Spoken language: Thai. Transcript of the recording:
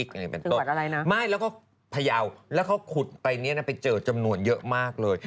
คือวัดอะไรนะไม่แล้วก็พยาวแล้วเขาขุดไปนี่นะไปเจอจำนวนเยอะมากเลย